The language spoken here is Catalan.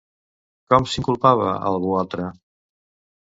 Com s'inculpava a algú altre?